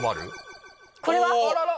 これは？